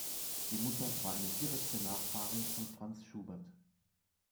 Die Mutter war eine direkte Nachfahrin von Franz Schubert.